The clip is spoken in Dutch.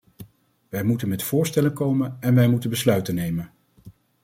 Wij moeten met voorstellen komen en wij moeten besluiten nemen.